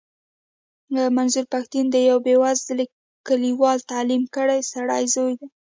منظور پښتين د يوه بې وزلې کليوال تعليم کړي سړي زوی دی.